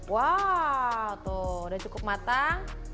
wow tuh udah cukup matang